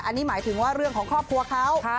อันนี้หมายถึงว่าเรื่องของครอบครัวเขา